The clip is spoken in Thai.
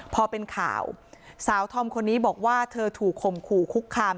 พอเป็นข่าวสาวธอมคนนี้บอกว่าเธอถูกข่มขู่คุกคาม